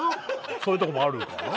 そういうとこもあるかな。